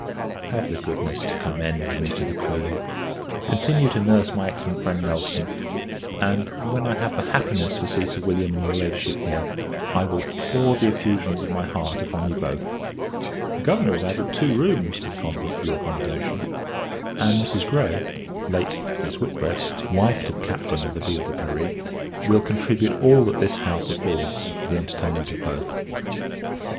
Have the goodness to commend me to the Queen; continue to nurse my excellent friend, Nelson; and, when I have the happiness to see Sir William and your Ladyship here, I will pour the effusions of my heart upon you both. The Governor has added two rooms to the convent, for your accommodation; and Mrs. Grey, late Miss Whitbread, wife to the Captain of the Ville de Paris, will contribute all that this house affords for the entertainment of both.